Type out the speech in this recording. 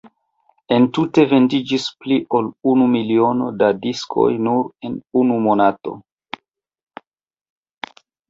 Entute vendiĝis pli ol unu miliono da diskoj nur en unu monato.